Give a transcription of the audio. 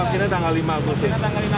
ini vaksinnya tanggal lima agustus